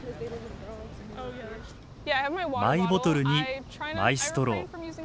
マイボトルにマイストロー。